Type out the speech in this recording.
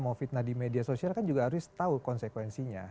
mau fitnah di media sosial kan juga harus tahu konsekuensinya